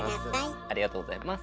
ありがとうございます。